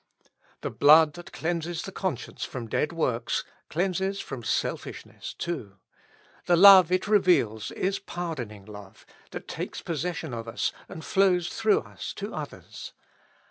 The blood that cleanses the conscience from dead works, cleanses from selfishness too ; the love it reveals is pardoning love, that takes possession of us and flows through us to others.